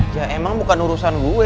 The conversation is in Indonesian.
ya emang bukan urusan gue